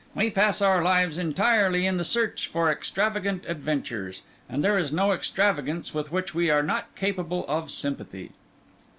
We pass our lives entirely in the search for extravagant adventures; and there is no extravagance with which we are not capable of sympathy."